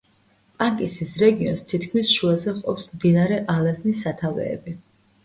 პანკისის რეგიონს თითქმის შუაზე ჰყოფს მდინარე ალაზნის სათავეები.